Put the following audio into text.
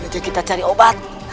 udah kita cari obat